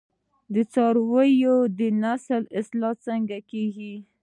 د څارویو د نسل اصلاح څنګه کیږي؟